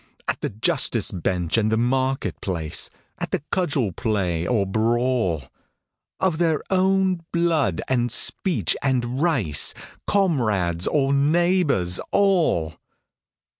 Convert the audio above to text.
At the justice bench and the market place, At the cudgel play or brawl, Of their own blood and speech and race, Comrades or neighbours all